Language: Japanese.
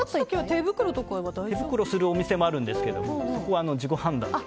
手袋するお店もあるんですけどここは自己判断で。